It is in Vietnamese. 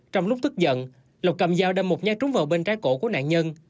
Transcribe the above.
trong lúc tức giận lộc cầm dao đâm một nhát trúng vào bên trái cổ của nạn nhân